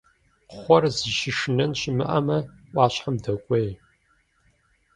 Кхъуэр зыщышынэн щымыӀэмэ, Ӏуащхьэм докӀуей.